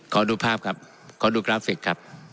ขอดูภาพครับขอดูกราฟิกครับ